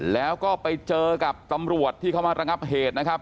แล้วก็ไปเจอกับตำรวจที่เข้ามาระงับเหตุนะครับ